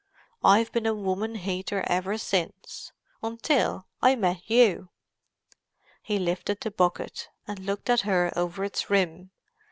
I've been a woman hater ever since, until I met you." He lifted the bucket, and looked at her over its rim.